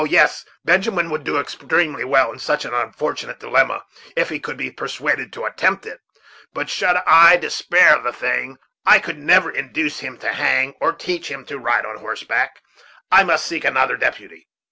yes, Benjamin would do extremely well in such an unfortunate dilemma, if he could be persuaded to attempt it. But I should despair of the thing. I never could induce him to hang, or teach him to ride on horseback. I must seek another deputy."